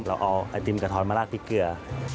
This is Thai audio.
เราเอาไอติมกะทอนมาราดพริกเกลือ